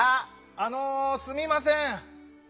あのすみません。